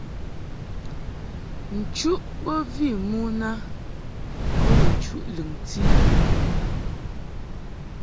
Nchuʼ bo vi mon a bo ni nchuʼ lɨŋti mɨ.